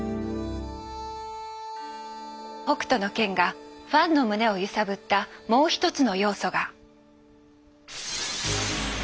「北斗の拳」がファンの胸を揺さぶったもう一つの要素が。